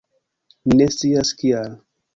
Mi ne scias kial.